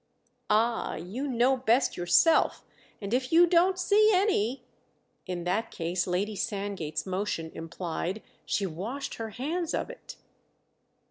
"Ah, you know best yourself, and if you don't see any— !" In that case, Lady Sandgate's motion implied, she washed her hands of it.